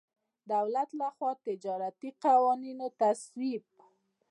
دولت له خوا د تجارتي قوانینو تصویب.